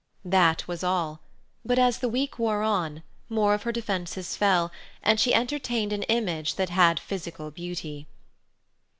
That was all. But, as the week wore on, more of her defences fell, and she entertained an image that had physical beauty.